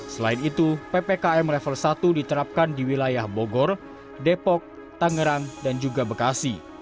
selain itu ppkm level satu diterapkan di wilayah bogor depok tangerang dan juga bekasi